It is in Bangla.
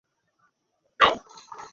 এটা তোর প্রয়োজন তুই ভালো করে খা।